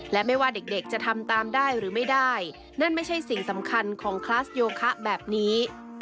และไม่ว่าเด็กจะทำตามได้หรือไม่ได้นั่นไม่ใช่สิ่งสำคัญของคลาสโยคะแบบนี้